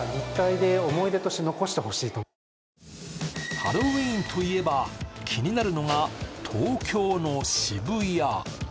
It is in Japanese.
ハロウィーンといえば気になるのが東京の渋谷。